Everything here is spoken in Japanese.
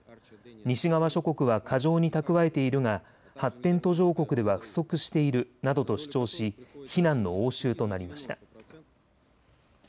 西側諸国は過剰に蓄えているが発展途上国では不足しているなどと主張し非難の応酬となりました。